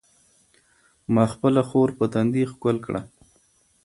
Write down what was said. ما خپله خور په تندي ښکل کړه.